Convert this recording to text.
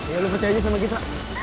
ya lu percaya sama kita